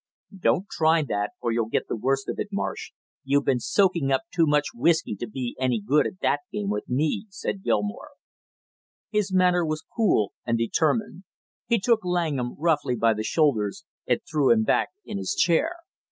"Don't try that or you'll get the worst of it, Marsh; you've been soaking up too much whisky to be any good at that game with me!" said Gilmore. [Illustration: "She was in North's rooms "] His manner was cool and determined. He took Langham roughly by the shoulders and threw him back in his chair.